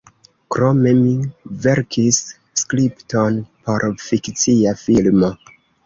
Krome mi verkis skripton por fikcia filmo.